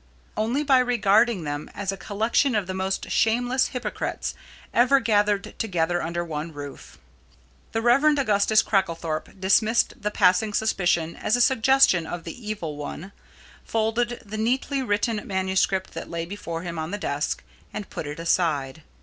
Only by regarding them as a collection of the most shameless hypocrites ever gathered together under one roof. The Rev. Augustus Cracklethorpe dismissed the passing suspicion as a suggestion of the Evil One, folded the neatly written manuscript that lay before him on the desk, and put it aside.